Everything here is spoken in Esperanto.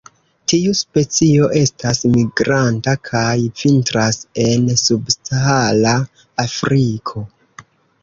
Tiu specio estas migranta, kaj vintras en subsahara Afriko.